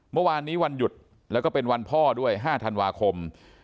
เมื่อวานนี้วันหยุดแล้วก็เป็นวันพ่อด้วย๕ธันวาคม